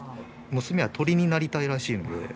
娘は鳥になりたいらしいので。